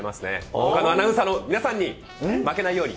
他のアナウンサーの皆さんに負けないように！